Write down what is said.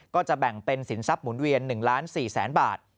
ก็จะแบ่งเป็นสินทรัพย์หมุนเวียน๑ล้าน๔แสนบาท